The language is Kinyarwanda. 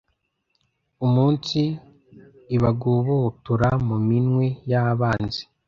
umunsi ibagobotora mu minwe y'abanzi